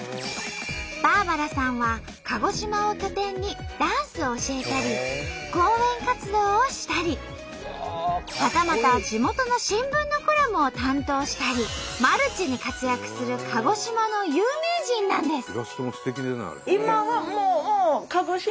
バーバラさんは鹿児島を拠点にダンスを教えたり講演活動をしたりはたまた地元の新聞のコラムを担当したりマルチに活躍する鹿児島の有名人なんです。